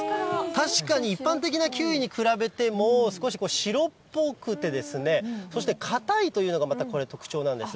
確かに一般的なキウイに比べても、少し白っぽくて、そして硬いというのがまたこれ特長なんです。